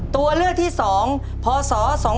ตัวเลือกที่สองพอศ๒๕๓๖